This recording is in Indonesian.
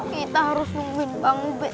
kita harus nungguin bang ubed